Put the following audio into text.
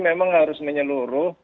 memang harus menyeluruh